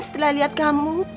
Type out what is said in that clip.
setelah lihat kamu